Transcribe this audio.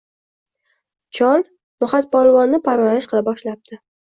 chol No’xatpolvonni parvarish qila boshlapti